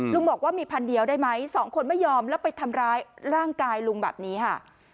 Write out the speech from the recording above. บอกว่ามีพันเดียวได้ไหมสองคนไม่ยอมแล้วไปทำร้ายร่างกายลุงแบบนี้ค่ะ